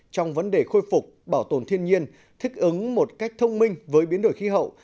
trong vấn đề khôi phục bảo tồn thiên nhiên thích ứng một cách thông minh với biến đổi khí hậu